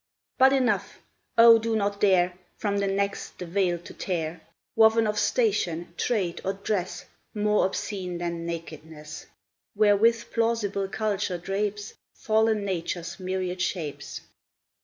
But enough! O, do not dare From the next the veil to tear, Woven of station, trade, or dress, More obscene than nakedness, Wherewith plausible culture drapes Fallen Nature's myriad shapes!